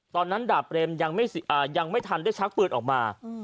ตอนนั้นดาบเปลมยังไม่ทันได้ชักปืนออกมา